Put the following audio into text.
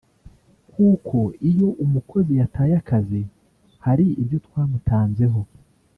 Kuko iyo umukozi yataye akazi hari ibyo twamutanzeho